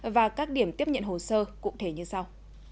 và các điểm tiếp nhận hồ sơ cụ thể như sau